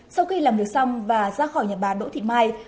sau khi làm việc xong và ra khỏi nhà bà đỗ thị mai